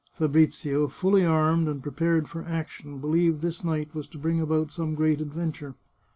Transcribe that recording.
Fabrizio, fully armed and prepared for action, believed this night was to bring about some great adventure.